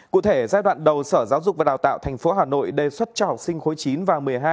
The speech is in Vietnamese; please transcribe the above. cụ thể giai đoạn đầu sở giáo dục và đào tạo tp hà nội đề xuất cho học sinh khối chín và một mươi hai